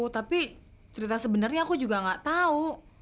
tapi cerita sebenarnya aku juga gak tahu